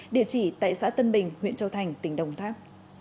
địa chỉ tại xã tân bình huyện châu thành tỉnh đồng tháp